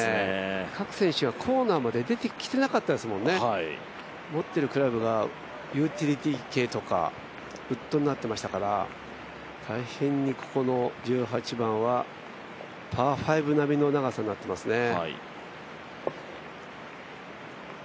各選手がコーナーまで出てきてなかったですもんね、持っているクラブがユーティリティー系とかウッドになっていましたから大変にここの１８番はパー５並みの長さになってますね。